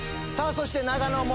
そして長野も。